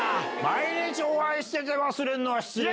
毎日お会いして忘れるのは失礼。